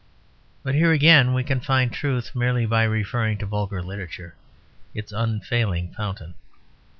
But here, again, we can find truth merely by referring to vulgar literature its unfailing fountain.